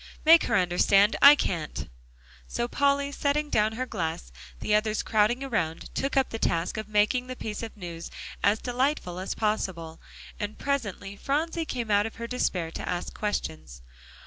"Make her understand; I can't." So Polly, setting down her glass, the others crowding around, took up the task of making the piece of news as delightful as possible, and presently Phronsie came out of her despair, to ask questions.